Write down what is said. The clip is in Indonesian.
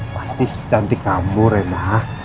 pasti secantik kamu rena